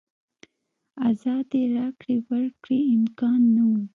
ازادې راکړې ورکړې امکان نه و.